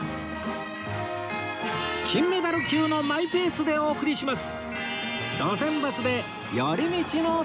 金メダル級のマイペースでお送りします